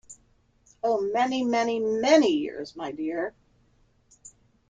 Oh, many, many, many years, my dear.